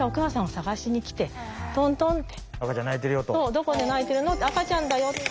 どこで泣いてるのって赤ちゃんだよって。